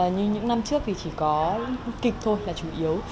như những năm trước thì chỉ có kịch thôi là chủ yếu